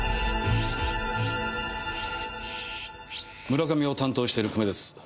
村上を担当してる久米です。